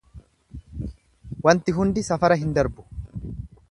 Wanti hundi safara hin darbu.